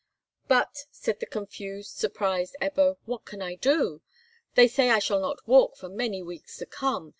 "But," said the confused, surprised Ebbo, "what can I do? They say I shall not walk for many weeks to come.